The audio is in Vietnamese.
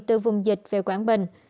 từ vùng dịch về quảng bình